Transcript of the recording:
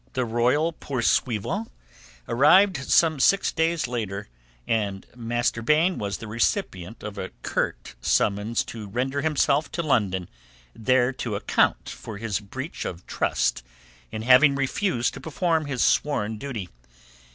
The royal pour suivants arrived some six days later, and Master Baine was the recipient of a curt summons to render himself to London, there to account for his breach of trust in having refused to perform his sworn duty.